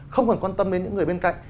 không cần quan tâm đến những người bên cạnh